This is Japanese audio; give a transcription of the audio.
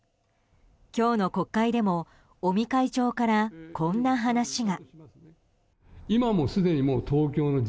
今日の国会でも尾身会長からこんな話が。